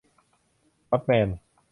มัดแมน